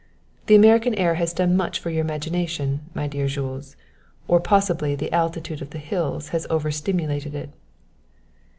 The American air has done much for your imagination, my dear Jules; or possibly the altitude of the hills has over stimulated it."